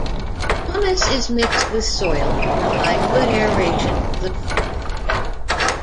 Pumice is mixed with soil to provide good aeration for the plants.